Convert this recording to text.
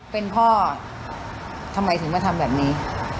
เป็นพ่อทำไมถึงมาทำแบบนี้